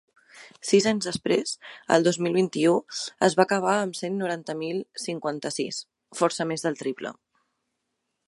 Sis anys després, el dos mil vint-i-u, es va acabar amb cent noranta mil cinquanta-sis, força més del triple.